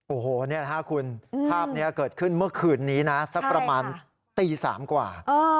โอ้โหนี่นะครับคุณภาพนี้เกิดขึ้นเมื่อคืนนี้นะสักประมาณตี๓กว่า